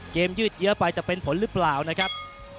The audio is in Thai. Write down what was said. ยืดเยอะไปจะเป็นผลหรือเปล่านะครับ